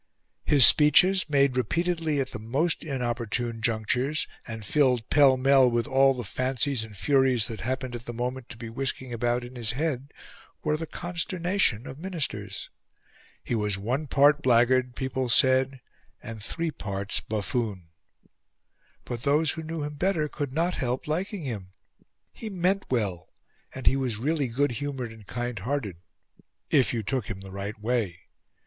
His speeches, made repeatedly at the most inopportune junctures, and filled pell mell with all the fancies and furies that happened at the moment to be whisking about in his head, were the consternation of Ministers. He was one part blackguard, people said, and three parts buffoon; but those who knew him better could not help liking him he meant well; and he was really good humoured and kind hearted, if you took him the right way.